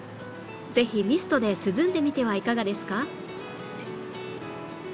ぜひミストで涼んでみてはいかがですか？